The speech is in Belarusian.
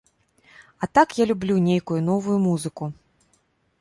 А так я люблю нейкую новую музыку.